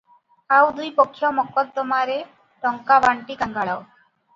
ଆଉ ଦୁଇ ପକ୍ଷ ମକଦ୍ଦମାରେ ଟଙ୍କା ବାଣ୍ଟି କାଙ୍ଗାଳ ।